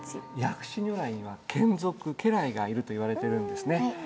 薬師如来には眷属家来がいるといわれてるんですね。